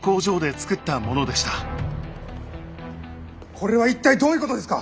これは一体どういうことですか！